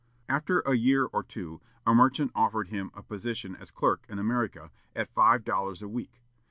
After a year or two, a merchant offered him a position as clerk in America, at five dollars a week.